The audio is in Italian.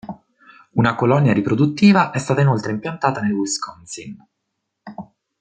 Una colonia riproduttiva è stata inoltre impiantata nel Wisconsin.